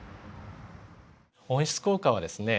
温室効果はですね